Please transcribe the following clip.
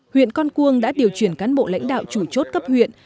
huyện con cuông đã điều chuyển cán bộ lãnh đạo chủ chốt cấp huyện